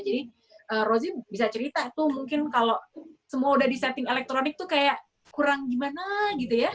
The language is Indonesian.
jadi rossi bisa cerita tuh mungkin kalau semua udah di setting elektronik tuh kayak kurang gimana gitu ya